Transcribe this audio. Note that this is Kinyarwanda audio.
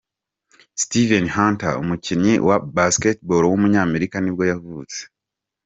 Steven Hunter, umukinnyi wa basketball w’umunyamerika nibwo yavutse.